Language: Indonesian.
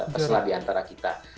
peselah diantara kita